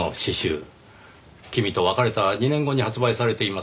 君と別れた２年後に発売されています。